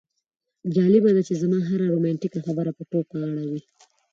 جالبه ده چې ته زما هره رومانتیکه خبره په ټوکه اړوې